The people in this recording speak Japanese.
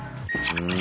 うん。